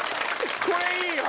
これいいわ！